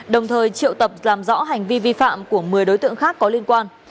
đồng thời triệu tập làm rõ hành vi vi phạm của một mươi đối tượng khác có liên quan